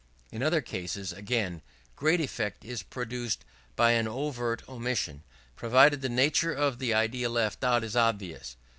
In other cases, again, great effect is produced by an overt omission; provided the nature of the idea left out is obvious.